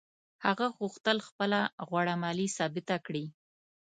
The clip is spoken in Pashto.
هغه غوښتل خپله غوړه مالي ثابته کړي.